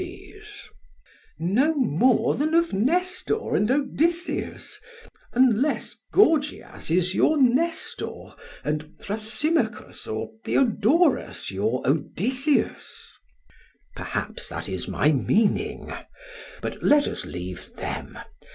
PHAEDRUS: No more than of Nestor and Odysseus, unless Gorgias is your Nestor, and Thrasymachus or Theodorus your Odysseus. SOCRATES: Perhaps that is my meaning. But let us leave them.